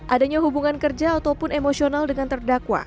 adanya hubungan kerja ataupun emosional dengan terdakwa